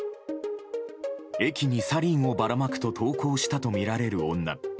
駅にサリンをばらまくと投稿したとみられる女。